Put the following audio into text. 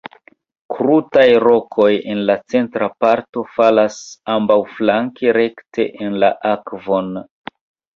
Krutaj rokoj en la centra parto falas ambaŭflanke rekte en la akvon.